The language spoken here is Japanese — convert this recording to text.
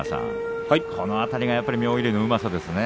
この辺り、妙義龍のうまさですね。